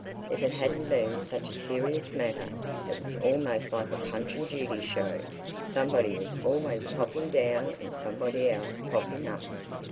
(If it hadn't been such a serious matter, it was almost like a Punch and Judy show: somebody was always popping down and somebody else popping up).